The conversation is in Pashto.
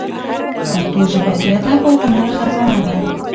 پښتو ژبه د ادب او هنر خزانه ده.